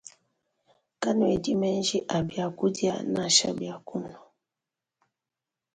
Kanuedi menji a biakudia nansha bia kunua.